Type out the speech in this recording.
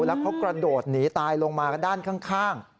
แล้วเขากระโดดหนีตายลงมาด้านข้าง